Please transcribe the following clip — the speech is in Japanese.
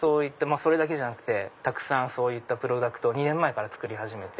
それだけじゃなくてたくさんそういったプロダクトを２年前から作り始めて。